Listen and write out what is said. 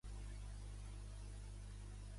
El cap comarcal és Trujillo.